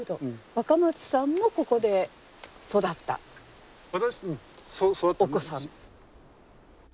若松さんもここで育ったお子さん。